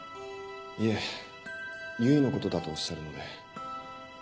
いえ唯のことだとおっしゃるので。